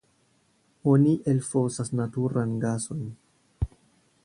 Oni elfosas naturan gason.